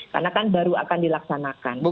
karena kan baru akan dilaksanakan